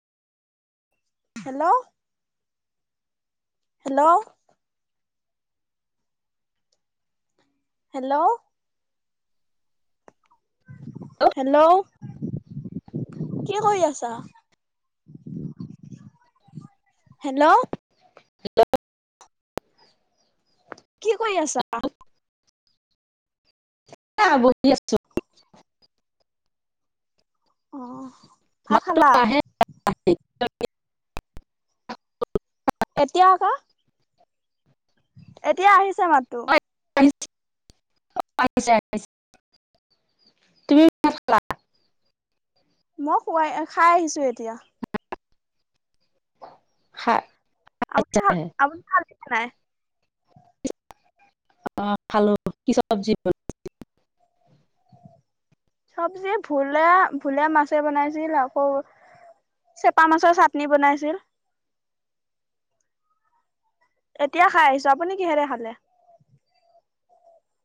Hello hello hello hello কি কৰি আছা? হেল্লৌ' কি কৰি আছা? এনেই আও বহি আছোঁ। অঁ' মাত টো আহে। এতিয়া আক। এতিয়া আহিছে মাততো। আহিছে আহিছে আহিছে, তুমি- মই খুৱাই খাই আহিছো এতিয়া। খা- [unintelligible] অঁ খালো, কি চব্জি বনালা? চবজি ভুলে, ভুলে মাছে বনাইছিল আকৌ- চেপা মাছৰ চাটনি বনাইছিল। এতিয়া খাই আহিছো, আপুনি কিহেৰে খালে?